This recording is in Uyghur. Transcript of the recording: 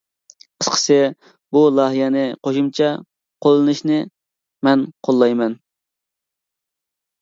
قىسقىسى بۇ لايىھەنى قوشۇمچە قوللىنىشنى مەن قوللايمەن.